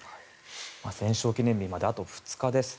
戦勝記念日まであと２日です。